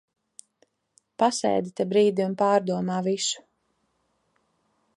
Pasēdi te brīdi un pārdomā visu.